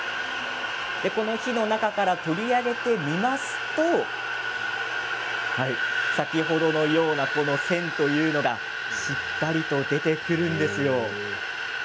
この火の中から取り上げてみますと先ほどのような線というのがしっかりと出てくるんですよ。